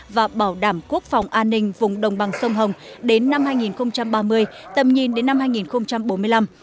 và bảo đảm quốc phòng an ninh vùng đồng bằng sông hồng đến năm hai nghìn ba mươi tầm nhìn đến năm hai nghìn bốn mươi năm